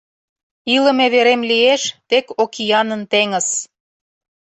Илыме верем лиеш тек Окиянын теҥыз.